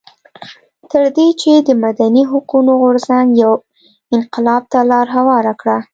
تر دې چې د مدني حقونو غورځنګ یو انقلاب ته لار هواره کړه.